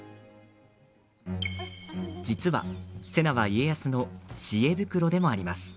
実は、瀬名は家康の知恵袋でもあります。